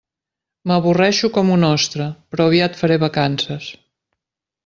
M'avorreixo com una ostra, però aviat faré vacances.